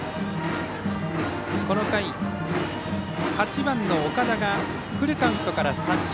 この回、８番の岡田がフルカウントから三振。